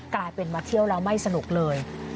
กลายเป็นมาเที่ยวแล้วไม่สนุกเลย